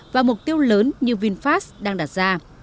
và mục tiêu lớn như vinfast đang đặt ra